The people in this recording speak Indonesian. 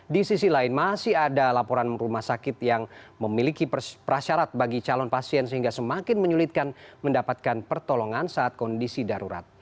di sisi lain masih ada laporan rumah sakit yang memiliki prasyarat bagi calon pasien sehingga semakin menyulitkan mendapatkan pertolongan saat kondisi darurat